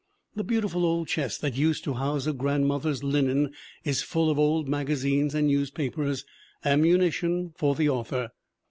The beautiful old chest that used to house a grandmother's linen is full of old magazines and newspapers, ammunition for the author.